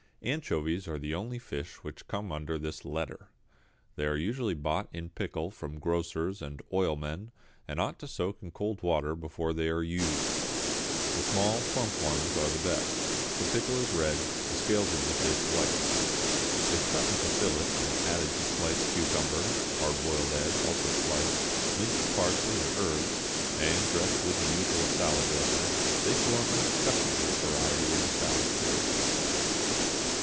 _ =Anchovies= are the only fish which come under this letter. They are usually bought in pickle from grocers and oilmen, and ought to soak in cold water before they are used. The small, plump ones are the best the pickle is red, the scales of the fish white. If cut into fillets and added to sliced cucumber, hard boiled egg, also sliced, minced parsley and herbs, and dressed with the usual salad dressing, they form an acceptable variety in the salad series.